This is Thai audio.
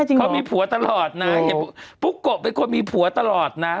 ใช่เขามีผัวตลอดนะพุกโกะเป็นคนมีผัวตลอดนะ